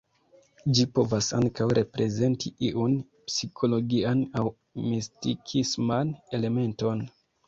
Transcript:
Ĝi povas ankaŭ reprezenti iun psikologian aŭ mistikisman elementon.